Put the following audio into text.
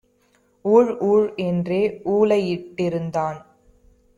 ஊழ் ஊழ் என்றே ஊளையிட் டிருந்தான்.